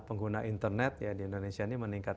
pengguna internet ya di indonesia ini meningkat